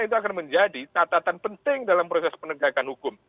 itu akan menjadi tatatan penting dalam proses penegakan hukum